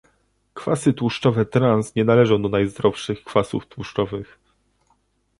Kwasy tłuszczowe trans nie należą do najzdrowszych kwasów tłuszczowych